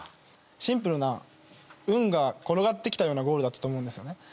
シンプルな運が転がってきたようなゴールだったと思うんですよね。